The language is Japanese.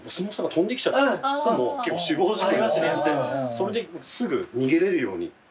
それですぐ逃げれるように斜めに。